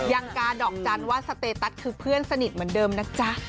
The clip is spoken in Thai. กาดอกจันทร์ว่าสเตตัสคือเพื่อนสนิทเหมือนเดิมนะจ๊ะ